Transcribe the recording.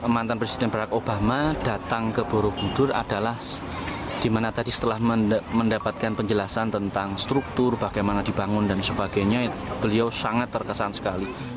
mantan presiden barack obama datang ke borobudur adalah dimana tadi setelah mendapatkan penjelasan tentang struktur bagaimana dibangun dan sebagainya beliau sangat terkesan sekali